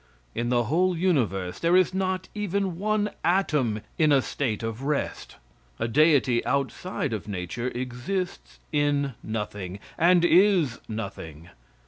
In the whole universe there is not even one atom in a state of rest. A deity outside of nature exists in nothing, and is nothing.